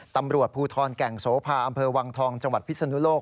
ตำรวจภูทรแก่งโสภาอำเภอวังทองจังหวัดพิศนุโลก